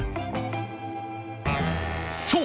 そう！